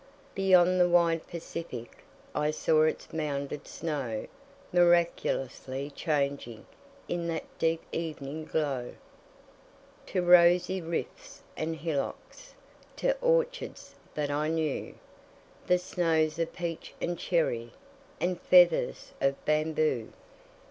Beyond the wide Pacific I saw its mounded snow Miraculously changing In that deep evening glow, To rosy rifts and hillocks, To orchards that I knew, The snows or peach and cherry, And feathers of bamboo.